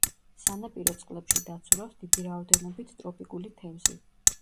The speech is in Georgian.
სანაპირო წყლებში დაცურავს დიდი რაოდენობით ტროპიკული თევზი.